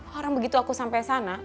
karena begitu aku sampai sana